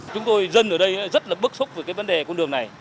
chúng tôi dân ở đây rất là bức xúc về cái vấn đề con đường này